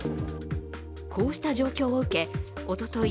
こうした状況を受け、おととい